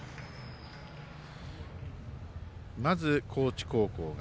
まず高知高校が。